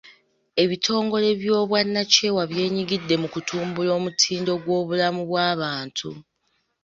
Ebitongole by'obwannakyewa byenyigidde mu kutumbula omutindo gw'obulamu bw'abantu.